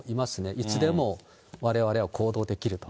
いつでもわれわれは行動できると。